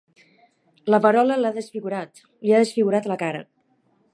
La verola l'ha desfigurat, li ha desfigurat la cara.